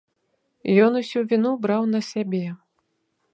Ён усю віну браў на сябе.